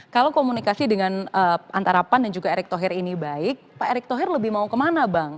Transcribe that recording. kalau komunikasi dengan antara pan dan juga erick thohir ini baik pak erick thohir lebih mau kemana bang